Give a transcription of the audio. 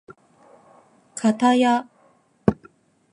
かたや